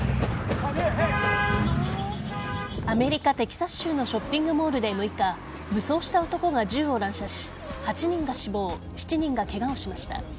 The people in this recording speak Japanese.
アメリカ・テキサス州のショッピングモールで６日武装した男が銃を乱射し８人が死亡７人がケガをしました。